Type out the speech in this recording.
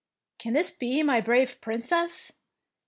" Can this be my brave Princess?